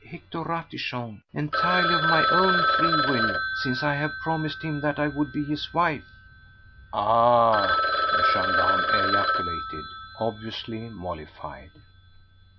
Hector Ratichon entirely of my own free will, since I have promised him that I would be his wife." "Ah!" the gendarme ejaculated, obviously mollified.